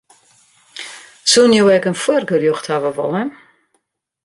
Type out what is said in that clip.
Soenen jo ek in foargerjocht hawwe wolle?